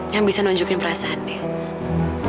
yang bisa nunjukin perasaan dia